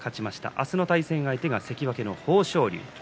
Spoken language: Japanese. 明日の対戦相手は関脇の豊昇龍です。